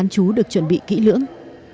chuẩn bị kỹ lưỡng